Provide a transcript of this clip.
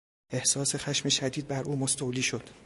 احساس خشم شدید بر او مستولی شد.